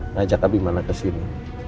ngajak abimana kesini